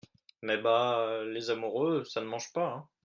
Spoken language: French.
Mais, bah ! les amoureux, ça ne mange pas !